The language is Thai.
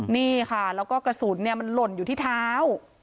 นี่ค่ะแล้วก็กระสุนมันหล่นอยู่ที่เท้า